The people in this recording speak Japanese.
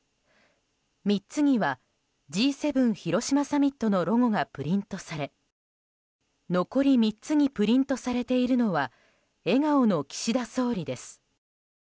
３つにはＧ７広島サミットのロゴがプリントされ残り３つにプリントされているのは笑顔の岸田総理です。